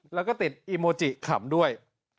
แล้วก็ติดอีโมจิขำด้วย